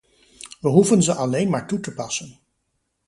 We hoeven ze alleen maar toe te passen.